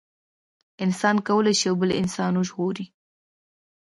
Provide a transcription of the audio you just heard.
انسان کولي شي بل انسان وژغوري